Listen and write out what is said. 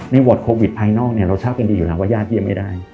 โหวตโควิดภายนอกเนี่ยเราทราบกันดีอยู่แล้วว่าญาติเยี่ยมไม่ได้